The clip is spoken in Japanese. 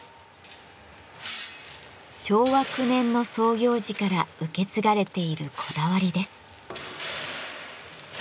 昭和９年の創業時から受け継がれているこだわりです。